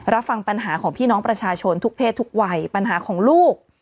รับฟังปัญหาของพี่น้องประชาชนทุกเพศทุกวัยปัญหาของลูก